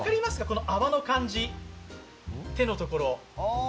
この泡の感じ、手のところ。